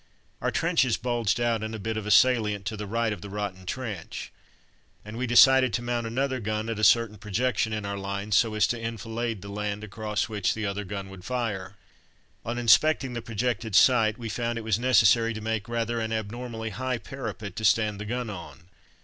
Our trenches bulged out in a bit of a salient to the right of the rotten trench, and we decided to mount another gun at a certain projection in our lines so as to enfilade the land across which the other gun would fire. On inspecting the projected site we found it was necessary to make rather an abnormally high parapet to stand the gun on.